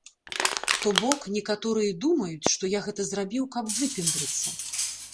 То бок, некаторыя думаюць, што я гэта зрабіў, каб выпендрыцца.